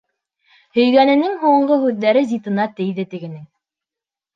Һөйгәненең һуңғы һүҙҙәре зитына тейҙе тегенең.